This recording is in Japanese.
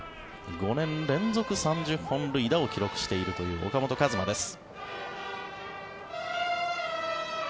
５年連続３０本塁打を記録しているという岡本和真です。